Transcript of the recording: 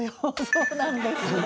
そうなんです。